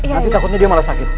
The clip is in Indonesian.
nanti takutnya dia malah sakit